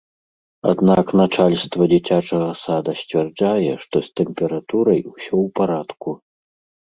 Аднак начальства дзіцячага сада сцвярджае, што з тэмпературай усё ў парадку.